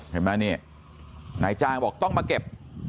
เห็นไหมนี่นายจ้างบอกต้องมาเก็บ